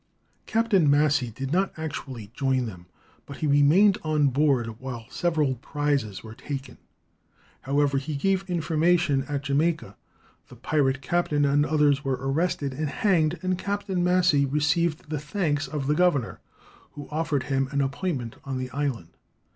Captain Massey did not actually join them, but he remained on board while several prizes were taken. However, he gave information at Jamaica, the pirate captain and others were arrested and hanged, and Captain Massey received the thanks of the governor, who offered him an appointment on the island.